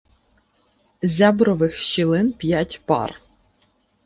Зябрових щілин п'ять пар.